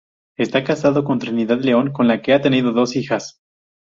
Está casado con Trinidad León con la que ha tenido dos hijas.